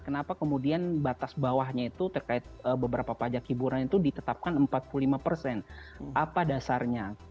kenapa kemudian batas bawahnya itu terkait beberapa pajak hiburan itu ditetapkan empat puluh lima persen apa dasarnya